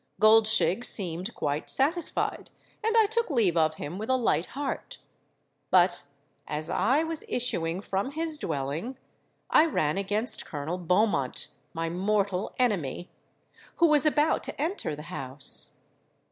Goldshig seemed quite satisfied; and I took leave of him with a light heart. But as I was issuing from his dwelling, I ran against Colonel Beaumont—my mortal enemy—who was about to enter the house.